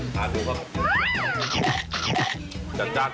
แกงซ่อมปลาบ้างว่ารสชาติจะได้ไหม